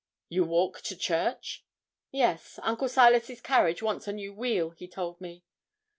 'You walk to church?' 'Yes; Uncle Silas's carriage wants a new wheel, he told me.'